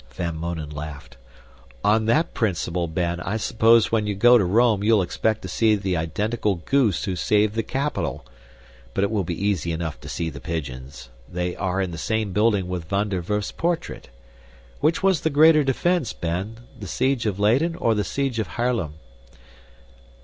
Van Mounen laughed. "On that principle, Ben, I suppose when you go to Rome you'll expect to see the identical goose who saved the capitol. But it will be easy enough to see the pigeons. They are in the same building with Van der Werf's portrait. Which was the greater defense, Ben, the siege of Leyden or the siege of Haarlem?"